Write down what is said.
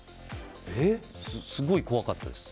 すごい怖かったです。